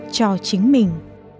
cho chính mình